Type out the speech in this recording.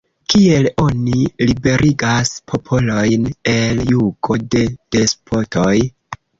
Kiel oni liberigas popolojn el jugo de despotoj?